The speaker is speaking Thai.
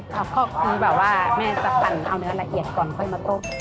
ก็คือแบบว่าแม่จะปั่นเอาเนื้อละเอียดก่อนค่อยมาต้ม